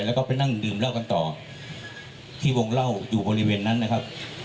แล้วก็ไปนั่งดื่มเหล้ากันต่อที่วงเล่าอยู่บริเวณนั้นนะครับ